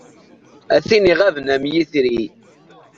A tin iɣaben am yitri.